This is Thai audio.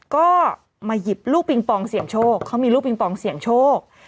ก็มาหยิบลูกปิงปองเสี่ยงโชคเขามีลูกปิงปองเสี่ยงโชค